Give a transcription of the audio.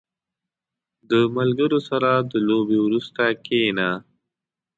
• د ملګرو سره د لوبې وروسته کښېنه.